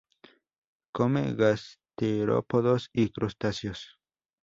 Come gasterópodos y crustáceos.